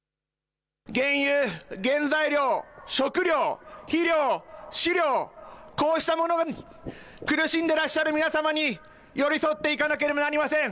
原油、原材料、食料、肥料、飼料、こうしたものに、苦しんでいらっしゃる皆様に、寄り添っていかなければなりません。